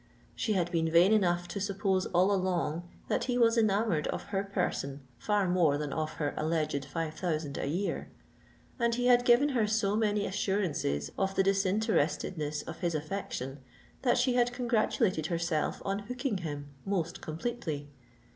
She had been vain enough to suppose all along that he was enamoured of her person far more than of her alleged five thousand a year; and he had given her so many assurances of the disinterestedness of his affection, that she had congratulated herself on hooking him most completely.